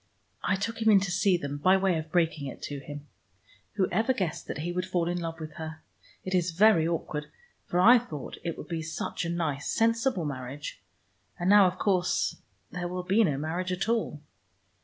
I took him in to see them by way of breaking it to him. Whoever guessed that he would fall in love with her? It is very awkward, for I thought it would be such a nice sensible marriage. And now of course there will be no marriage at all."